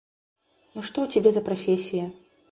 Ну што ў цябе за прафесія?